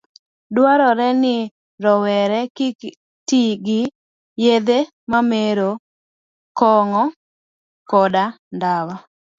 Dwarore ni rowere kik ti gi yedhe mamero, kong'o, koda ndawa